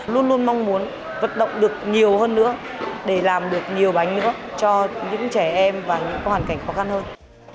luôn luôn mong muốn vận động được nhiều hơn nữa để làm được nhiều bánh nữa cho những trẻ em và có hoàn cảnh khó khăn hơn